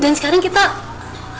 dan sekarang kita mesti ngapain